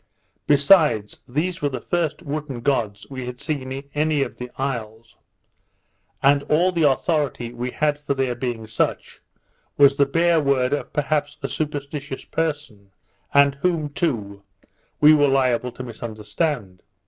Besides, these were the first wooden gods we had seen in any of the isles; and all the authority we had for their being such, was the bare word of perhaps a superstitious person, and whom, too, we were liable to misunderstand.